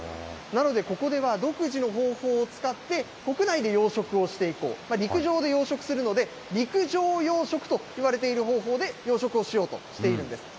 なので、ここでは独自の方法を使って、国内で養殖をしていこう、陸上で養殖するので、陸上養殖といわれている方法で養殖をしようとしているんです。